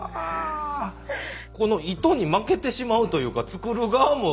この糸に負けてしまうというか作る側も。